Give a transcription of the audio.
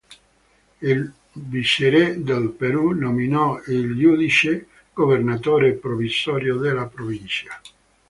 Il viceré del Perù nominò il giudice governatore provvisorio della Provincia.